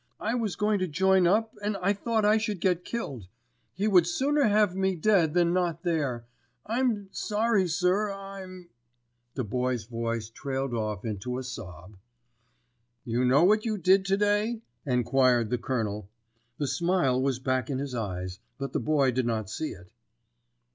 I was going to join up and I thought I should get killed. He would sooner have me dead than not there. I'm sorry, sir—I'm——" The Boy's voice trailed off into a sob. "You know what you did to day?" enquired the Colonel. The smile was back in his eyes, but the Boy did not see it.